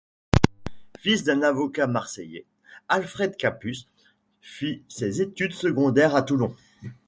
Fils d'un avocat marseillais, Alfred Capus fit ses études secondaires à Toulon.